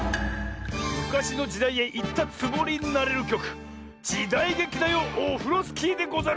むかしのじだいへいったつもりになれるきょく「じだいげきだよオフロスキー」でござる。